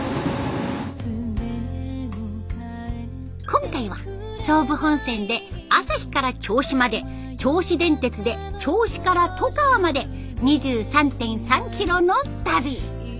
今回は総武本線で旭から銚子まで銚子電鉄で銚子から外川まで２３．３キロの旅。